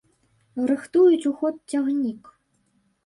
Рыхтуюць у ход цягнік.